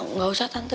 nggak usah tante